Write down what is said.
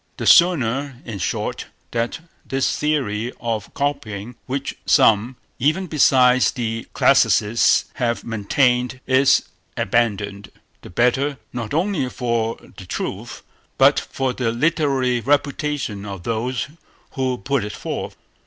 The sooner, in short, that this theory of copying, which some, even besides the classicists, have maintained, is abandoned, the better, not only for the truth, but for the literary reputation of those who put it forth.